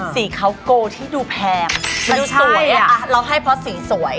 ศรีเค้าโกลที่ดูแพงดูสวยอะเราให้เพราะสีสวย